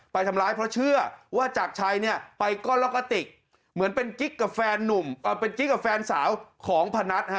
ไปทำร้ายเพราะเชื่อว่าจากชัยเนี่ยไปก้อนแล้วก็ติกเหมือนเป็นกิ๊กกับแฟนนุ่มเป็นกิ๊กกับแฟนสาวของพนัท